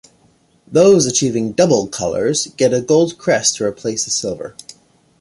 Those achieving "double colours" get a gold crest to replace the silver.